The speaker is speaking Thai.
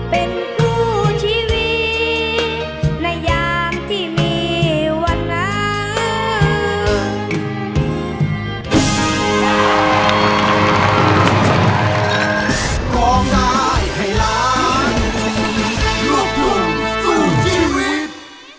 เป็นคู่ชีวิตในยามที่มีวันนั้น